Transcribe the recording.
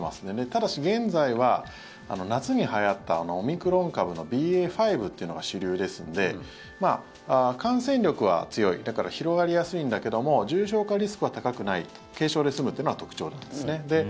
ただし現在は、夏にはやったオミクロン株のＢＡ．５というのが主流ですので感染力は強いだから広がりやすいんだけども重症化リスクは高くない軽症で済むというのが特徴なんですね。